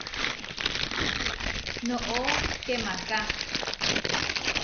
¡Noʼó kemaká!